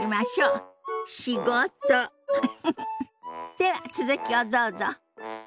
では続きをどうぞ。